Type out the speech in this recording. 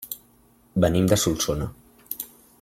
Venim de Solsona.